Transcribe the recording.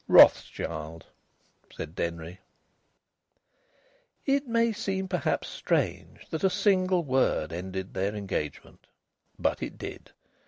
"Rothschild," said Denry. It may seem perhaps strange that that single word ended their engagement. But it did.